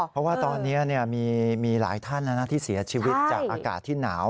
เพราะว่าตอนนี้มีหลายท่านที่เสียชีวิตจากอากาศที่หนาว